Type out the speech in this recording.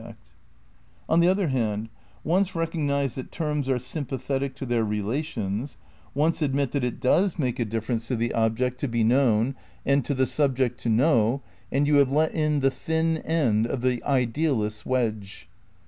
>See above: pp. 29 31. II THE CRITICAL PREPARATIONS 41 On the other hand, once recognise that terms are sympathetic to their relations, once admit that it does make a difference to the object to be known and to the subject to know, and you have let in the thin end of the idealist's wedge.